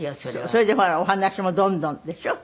それでほらお話もどんどんでしょう？